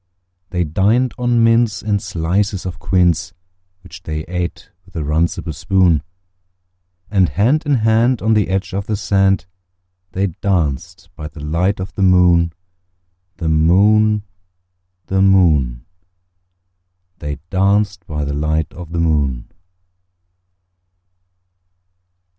They dined on mince and slices of quince, Which they ate with a runcible spoon; And hand in hand, on the edge of the sand, They danced by the light of the moon, The moon, The moon, They danced by the light of the moon.